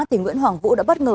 thì nguyễn hoàng vũ đã bất ngờ